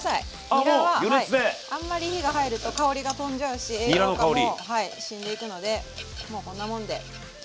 にらはあんまり火が入ると香りが飛んじゃうし栄養価も死んでいくのでもうこんなもんで。